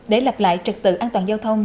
để lập lại trực tự an toàn giao thông